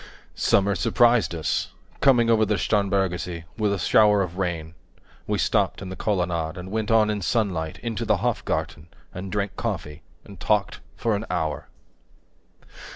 Summer surprised us, coming over the Starnbergersee With a shower of rain; we stopped in the colonnade, And went on in sunlight, into the Hofgarten, 10 And drank coffee, and talked for an hour.